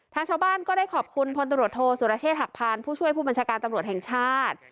ชาวบ้านก็ได้ขอบคุณพลตำรวจโทษสุรเชษฐหักพานผู้ช่วยผู้บัญชาการตำรวจแห่งชาติ